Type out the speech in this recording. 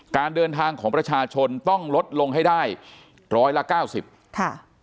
การเดินทางของประชาชนต้องลดลงให้ได้๑๐๐ละ๙๐